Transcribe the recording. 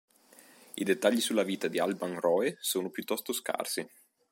I dettagli sulla vita di Alban Roe sono piuttosto scarsi.